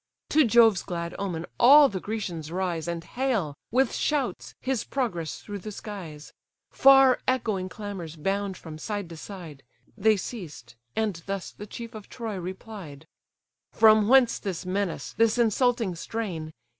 To Jove's glad omen all the Grecians rise, And hail, with shouts, his progress through the skies: Far echoing clamours bound from side to side; They ceased; and thus the chief of Troy replied: "From whence this menace, this insulting strain?